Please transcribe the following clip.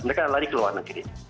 mereka lari ke luar negeri